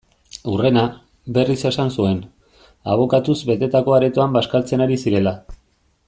Hurrena, berriz esan zuen, abokatuz betetako aretoan bazkaltzen ari zirela.